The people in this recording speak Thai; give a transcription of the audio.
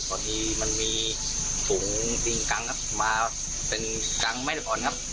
พอดีมันมีถุงจริงกังครับมาเป็นกังไม่ได้ผ่อนครับ